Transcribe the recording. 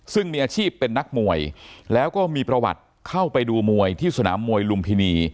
ซึ่งมีอาชีพเป็นนักมวยแล้วก็มีประวัติเข้าไปดูมวยที่สนามมวยลุมพินี